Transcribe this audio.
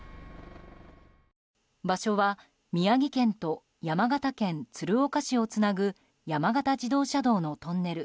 場所は宮城県と山形県鶴岡市をつなぐ山形自動車道のトンネル